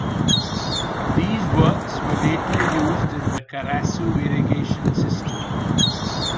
These works were later used in the Carasu irrigation system.